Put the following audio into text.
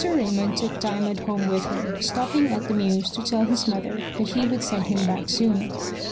RAYMOND took Diamond home with him, stopping at the Mews to tell his mother that he would send him back soon.